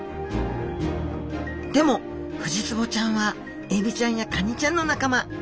でもフジツボちゃんはエビちゃんやカニちゃんの仲間。